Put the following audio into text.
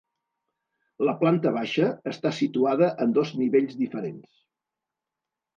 La planta baixa està situada en dos nivells diferents.